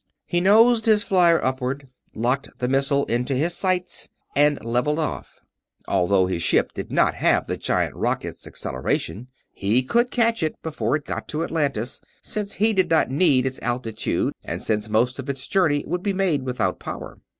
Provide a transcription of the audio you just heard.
He nosed his flyer upward, locked the missile into his sights, and leveled off. Although his ship did not have the giant rocket's acceleration, he could catch it before it got to Atlantis, since he did not need its altitude and since most of its journey would be made without power.